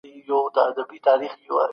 که ژبه ابتکار او تکامل لري، ځوانه وي.